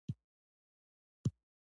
دا کسان ځايي خلک وو.